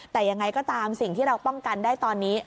แต่ยังไงก็ตามสิ่งที่เราป้องกันได้ตอนนี้